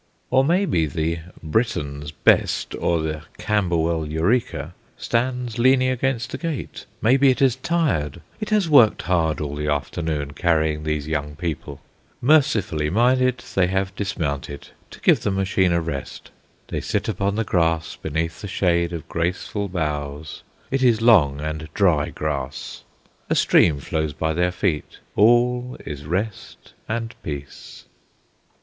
Or maybe the "Britain's Best" or the "Camberwell Eureka" stands leaning against a gate; maybe it is tired. It has worked hard all the afternoon, carrying these young people. Mercifully minded, they have dismounted, to give the machine a rest. They sit upon the grass beneath the shade of graceful boughs; it is long and dry grass. A stream flows by their feet. All is rest and peace.